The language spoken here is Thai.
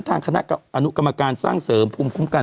ทางคณะอนุกรรมการสร้างเสริมภูมิคุ้มกัน